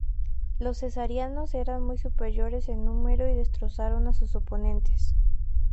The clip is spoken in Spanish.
Los cesarianos eran muy superiores en número y destrozaron a sus oponentes.